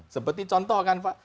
seperti contoh kan pak